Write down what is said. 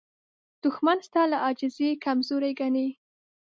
دښمن ستا له عاجزۍ کمزوري ګڼي